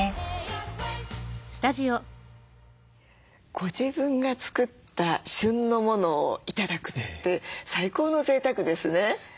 ご自分が作った旬のものを頂くって最高のぜいたくですね。